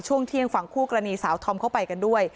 ช่วงเที่ยงฝั่งคู่กรณีสาวธอมเข้าไปกันด้วย